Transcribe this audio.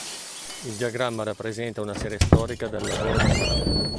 Il diagramma rappresenta una serie storica del lavoro da fare.